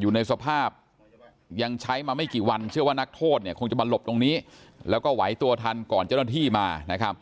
อยู่ในสภาพยังใช้มาไม่กี่วันเชื่อว่านักโทษเนี่ยคงจะมาหลบตรงนี้แล้วก็ไหวตัวทันก่อนเจ้าหน้าที่มานะครับ